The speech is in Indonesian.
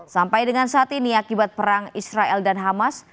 sampai dengan saat ini akibat perang israel dan hamas